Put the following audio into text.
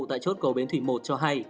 tại chốt cầu bến thủy một cho hay